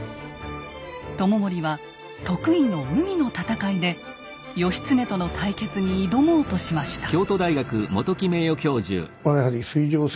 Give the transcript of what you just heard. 知盛は得意の海の戦いで義経との対決に挑もうとしました。